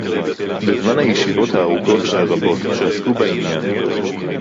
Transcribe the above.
בזמן הישיבות הארוכות והרבות שעסקו בעניין